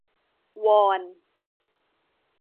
วอน